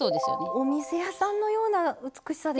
お店屋さんのような美しさですね。